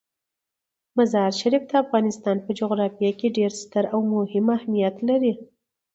مزارشریف د افغانستان په جغرافیه کې ډیر ستر او مهم اهمیت لري.